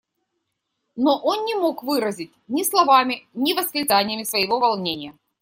Но он не мог выразить ни словами, ни восклицаниями своего волнения.